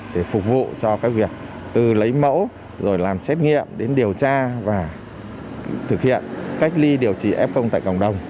để phục vụ cho việc từ lấy mẫu rồi làm xét nghiệm đến điều tra và thực hiện cách ly điều trị f tại cộng đồng